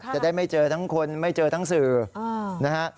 จะได้ไม่เจอทั้งคนไม่เจอทั้งสื่อนะฮะ